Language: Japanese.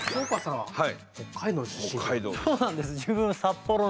はい。